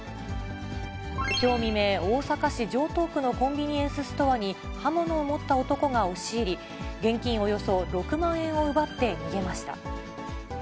きょう未明、大阪市城東区のコンビニエンスストアに刃物を持った男が押し入り、現金およそ６万円を奪って逃げました。